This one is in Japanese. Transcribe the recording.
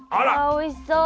おいしそう！